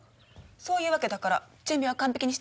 そういうわけだから準備は完璧にしておくように。